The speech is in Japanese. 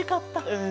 うん。